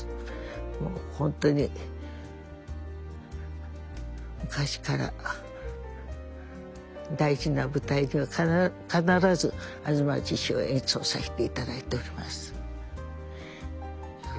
もう本当に昔から大事な舞台では必ず「吾妻獅子」を演奏させていただいております。